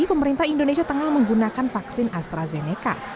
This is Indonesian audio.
pemerintah indonesia tengah menggunakan vaksin astrazeneca